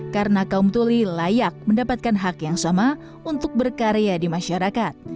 karena kaum tuli layak mendapatkan hak yang sama untuk berkarya di masyarakat